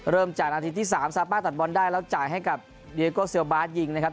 เริ่มจากนาทีที่๓สามารถตัดบอลได้แล้วจ่ายให้กับเดียโกเซลบาสยิงนะครับ